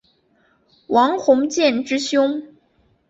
王鸿渐之兄。